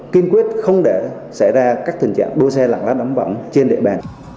kiên quyết không để xảy ra các tình trạng đua xe lạng lắc đám võng trên địa bàn